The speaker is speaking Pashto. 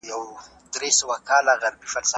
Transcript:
اوس به څوك ځي په اتڼ تر خيبرونو